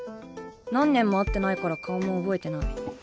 何年も会ってないから顔も覚えてない。